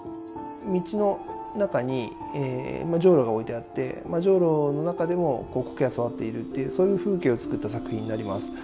道の中にジョウロが置いてあってジョウロの中でも苔が育っているというそういう風景を作った作品になります。